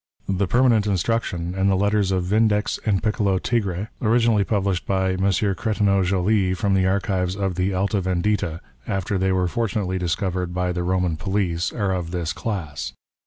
" The Permanent Instruction " and the letters of Vindex and Piccolo Tig re, originally published by M. Cretineau Joly from the archives of the Alta Vendita, after they were fortunately discovered by the Eoman police, are of this class.